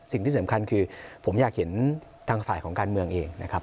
สิ่งที่สำคัญคือผมอยากเห็นทางฝ่ายของการเมืองเองนะครับ